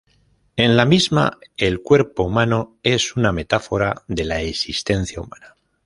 En la misma, el cuerpo humano es una metáfora de la existencia humana.